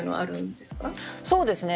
そうですね。